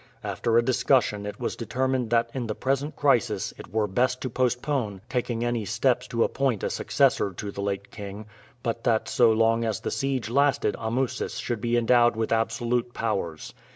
After a discussion it was determined that in the present crisis it were best to postpone taking any steps to appoint a successor to the late king, but that so long as the siege lasted Amusis should be endowed with absolute powers.